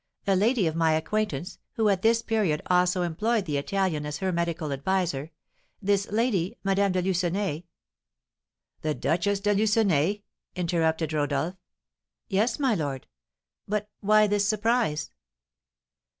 A lady of my acquaintance, who at this period also employed the Italian as her medical adviser this lady, Madame de Lucenay " "The Duchess de Lucenay?" interrupted Rodolph. "Yes, my lord. But why this surprise?"